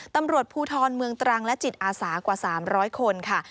ตำรวจภูทรเมืองตรังและจิตอาสากว่า๓๐๐คนค่ะ